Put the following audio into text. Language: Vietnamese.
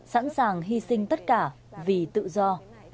sẵn sàng hy sinh tất cả vì tự do